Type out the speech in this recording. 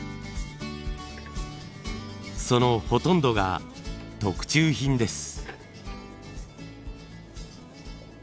そのほとんどが特注品です。